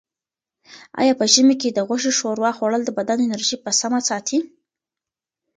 آیا په ژمي کې د غوښې ښوروا خوړل د بدن انرژي په سمه ساتي؟